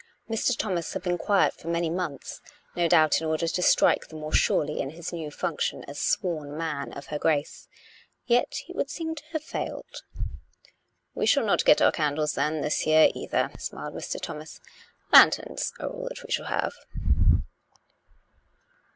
Mr. Thomas had been quiet for many months, no doubt in order to strike the more surely in his new function as " sworn man " of her Grace. Yet he would seem to have failed. " We shall not get our candles then, this year either," smiled Mr. Thomas. " Lanterns are all that we shall have."